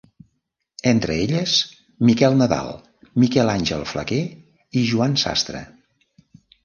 Entre elles Miquel Nadal, Miquel Àngel Flaquer i Joan Sastre.